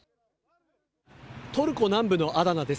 トルコ南部のアダナです。